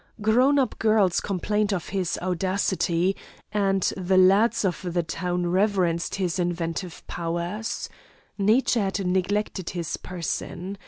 Grown up girls complained of his audacity, and the lads of the town reverenced his inventive powers. Nature had neglected his person.